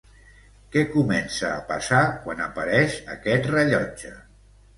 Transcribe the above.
Què comença a passar quan apareix aquest rellotge?